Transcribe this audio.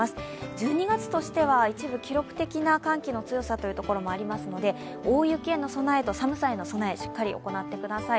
１２月としては一部記録的な寒気の強さという所もありますので大雪への備えと寒さへの備え、しっかり行ってください。